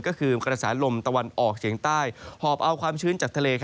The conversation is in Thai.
ก็คือกระแสลมตะวันออกเฉียงใต้หอบเอาความชื้นจากทะเล